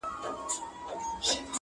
ما وېل سفر کومه ځمه او بیا نه راځمه؛